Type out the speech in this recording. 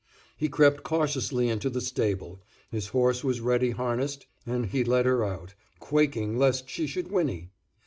He crept cautiously into the stable; his horse was ready harnessed and he led her out, quaking lest she should whinny.